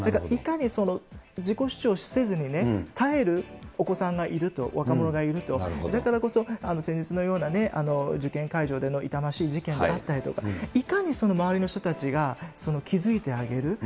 いかに自己主張せずに、耐えるお子さんがいると、若者がいると、だからこそ、先日のような受験会場での痛ましい事件であったりとか、いかに周りの人たちが、気付いてあげる。